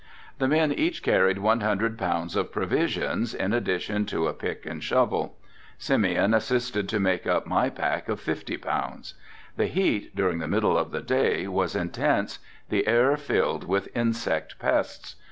The men each carried one hundred pounds of provisions in addition to a pick and shovel. Simeon assisted to make up my pack of fifty pounds. The heat, during the middle of the day, was intense, the air filled with insect pests.